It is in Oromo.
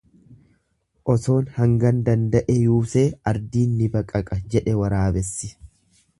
Osoo hangan danda'e yuusee ardiin ni baqaqa jedhe waraabessi.